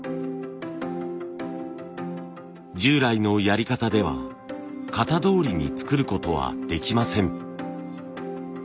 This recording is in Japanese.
従来のやり方では型どおりに作ることはできません。